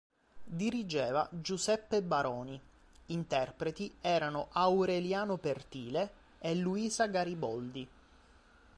Dirigeva Giuseppe Baroni, interpreti erano Aureliano Pertile e Luisa Gariboldi.